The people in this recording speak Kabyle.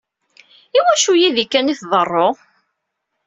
Iwacu yid-i kan i d-tḍerru?